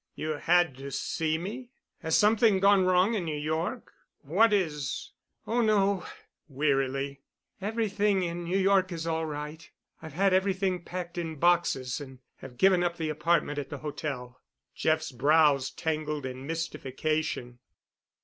"You had to see me? Has something gone wrong in New York? What is——?" "Oh, no," wearily. "Everything in New York is all right. I've had everything packed in boxes and have given up the apartment at the hotel." Jeff's brows tangled in mystification.